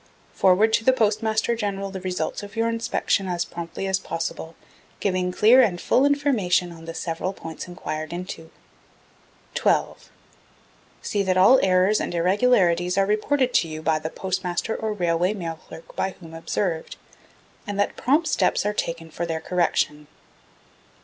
Forward to the Postmaster General the result of your inspection as promptly as possible, giving clear and full information on the several points enquired into. 12. See that all errors and irregularities are reported to you by the Postmaster or Railway Mail Clerk by whom observed, and that prompt steps are taken for their correction.